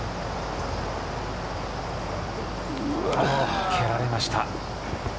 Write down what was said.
抜けられました。